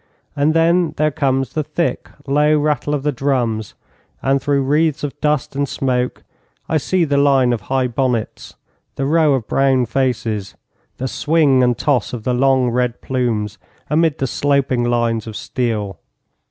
And then there comes the thick, low rattle of the drums, and through wreaths of dust and smoke I see the line of high bonnets, the row of brown faces, the swing and toss of the long, red plumes amid the sloping lines of steel.